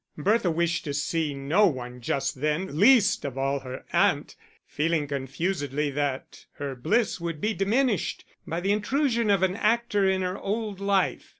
Bertha wished to see no one just then, least of all her aunt, feeling confusedly that her bliss would be diminished by the intrusion of an actor in her old life.